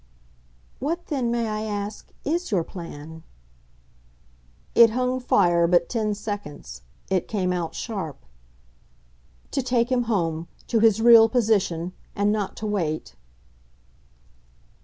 "What then, may I ask IS your plan?" It hung fire but ten seconds; it came out sharp. "To take him home to his real position. And not to wait."